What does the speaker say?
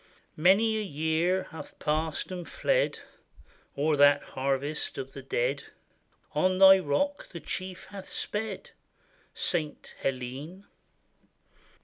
Many a year hath passed and fled O'er that harvest of the dead; On thy rock the Chief hath sped, St. Helene!